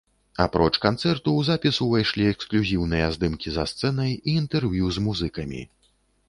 Апроч канцэрту, у запіс увайшлі эксклюзіўныя здымкі за сцэнай і інтэрв'ю з музыкамі.